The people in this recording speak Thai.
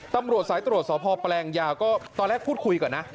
ตำรวจสายตรวจสพแปลงยาวก็ตอนแรกพูดคุยก่อนนะ